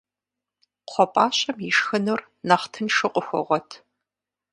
Кхъуэпӏащэм ишхынур нэхъ тыншу къыхуогъуэт.